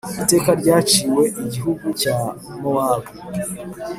Iteka ryaciriwe igihugu cya Mowabu: